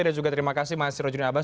dan juga terima kasih mas sirajuni abbas